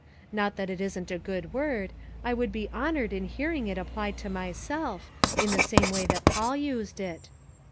Not that it isn't a good word; I w r ould be honored in hearing it applied to myself — in the same way that Paul used it."